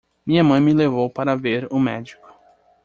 Minha mãe me levou para ver um médico.